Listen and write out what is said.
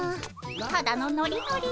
ただのノリノリ。